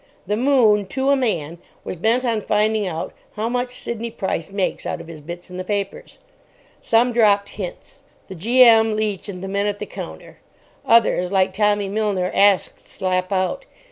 The "Moon," to a man, was bent on finding out "how much Sidney Price makes out of his bits in the papers." Some dropped hints—the G.M., Leach, and the men at the counter. Others, like Tommy Milner, asked slap out.